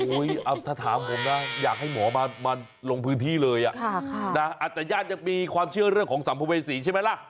ถ้าถามผมนะอยากให้หมอมาลงพื้นที่เลยอาจจะญาติยังมีความเชื่อเรื่องของสัมภเวษีใช่ไหมล่ะ